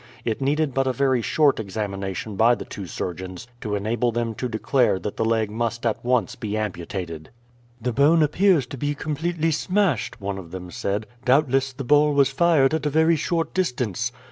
It needed but a very short examination by the two surgeons to enable them to declare that the leg must at once be amputated. "The bone appears to be completely smashed," one of them said. "Doubtless the ball was fired at a very short distance."